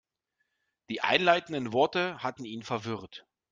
Die einleitenden Worte hatten ihn verwirrt.